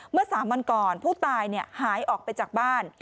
เมื่อ๓วันก่อนผู้ตายหายออกไปจากบ้าน